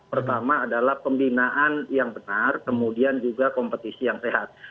pertama adalah pembinaan yang benar kemudian juga kompetisi yang sehat